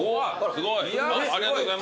すごい。